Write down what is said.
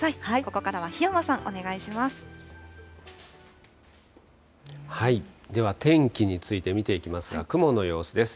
ここからは檜山さん、お願いしまでは天気について見ていきますが、雲の様子です。